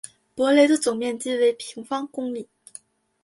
博雷的总面积为平方公里。